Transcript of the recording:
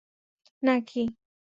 না, কী?